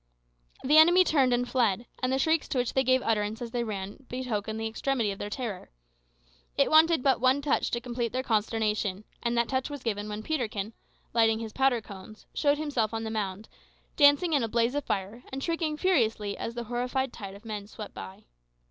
The enemy turned and fled, and the shrieks to which they gave utterance as they ran betokened the extremity of their terror. It wanted but one touch to complete their consternation, and that touch was given when Peterkin, lighting his powder cones, showed himself on the mound, dancing in a blaze of fire, and shrieking furiously as the horrified tide of men swept by.